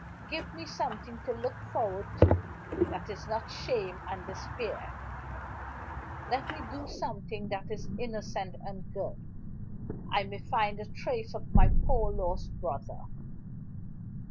Give me something to look forward to that is not shame and despair. Let me do something that is innocent and good I may find a trace of my poor lost brother.